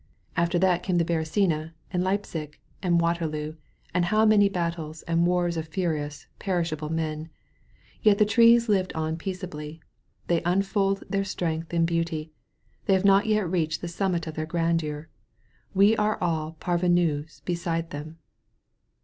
After that came the Beresina and Leipsic and Waterloo and how many battles and wars of furious, perishable men. Yet the trees live on peaceably, they unfold their strength in beauty, they have not yet reached the summit of their grandeur. We are all jmrvenus beside them.'